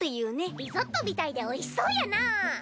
リゾットみたいでおいしそうやなぁ。